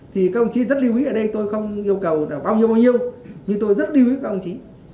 thì các ông chí rất lưu ý ở đây tôi không yêu cầu bao nhiêu bao nhiêu nhưng tôi rất lưu ý các ông chí